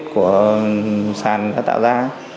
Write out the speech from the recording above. của sản đã tạo ra